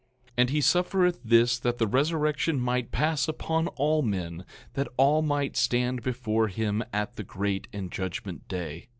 9:22 And he suffereth this that the resurrection might pass upon all men, that all might stand before him at the great and judgment day.